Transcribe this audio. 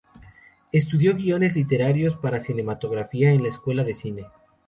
Estudió guiones literarios para cinematografía en la Escuela de Cine.